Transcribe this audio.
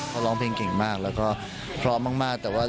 เขาร้องเพลงเก่งมากแล้วก็พร้อมมากแต่ว่า